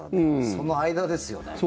その間ですよね。